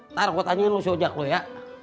ntar gua tanyain lu si ujak lu ya